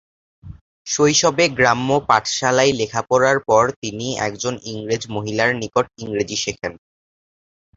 শৈশবে গ্রাম্য পাঠশালায় লেখাপড়ার পর তিনি একজন ইংরেজ মহিলার নিকট ইংরেজি শেখেন।